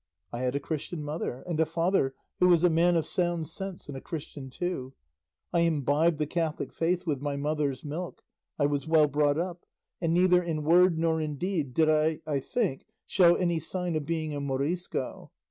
I had a Christian mother, and a father who was a man of sound sense and a Christian too; I imbibed the Catholic faith with my mother's milk, I was well brought up, and neither in word nor in deed did I, I think, show any sign of being a Morisco.